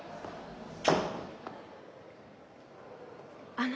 あの。